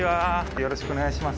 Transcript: よろしくお願いします。